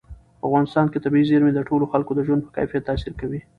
په افغانستان کې طبیعي زیرمې د ټولو خلکو د ژوند په کیفیت تاثیر کوي.